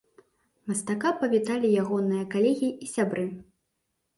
Мастака павіталі ягоныя калегі і сябры.